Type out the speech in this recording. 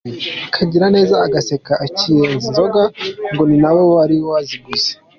Kagiraneza agaseka akirenza inzoga ngo ni na we wari waziguze!